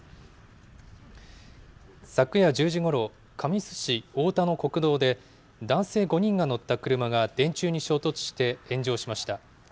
昨夜１０時ごろ、神栖市太田の国道で、男性５人が乗った車が電柱に衝突して炎上しました。